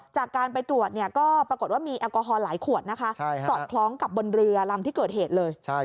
จากการไปตรวจก็ปรากฏว่ามีแอลกอฮอลหลายขวดนะคะสอดคล้องกับบนเรือลำที่เกิดเหตุเลย